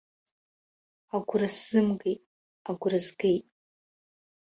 Агәра сзымгеит, агәра згеит.